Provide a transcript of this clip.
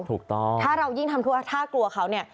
ถ้าเรายิ่งทำท่ากลัวเขาเนี่ย